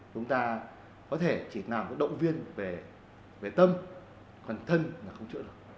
chúng ta có thể chỉ làm động viên về tâm còn thân là không chữa được